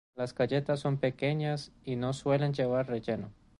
Las galletas son pequeñas y no suelen llevar relleno.